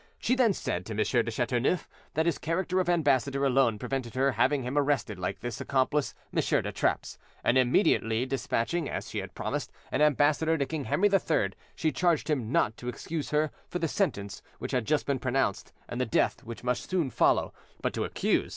She then said to M. de Chateauneuf that his character of ambassador alone prevented her having him arrested like his accomplice M. de Trappes; and immediately despatching, as she had promised, an ambassador to King Henry III, she charged him not to excuse her for the sentence which had just been pronounced and the death which must soon follow, but to accuse M.